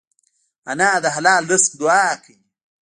انا د حلال رزق دعا کوي